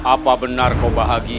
apa benar kau bahagia